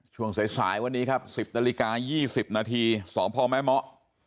ช่วงสายวันนี้ครับ๑๐นาฬิกา๒๐นาทีสพแม่เมาะ